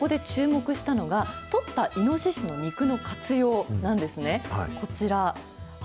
メンバーの皆さん、そこで注目したのが、取ったイノシシの肉の活用なんですね。